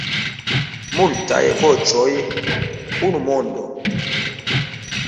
Multaj voĉoj, unu mondo.